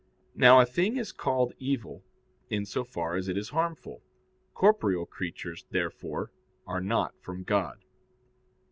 Now a thing is called evil, in so far as it is harmful. Corporeal creatures, therefore, are not from God.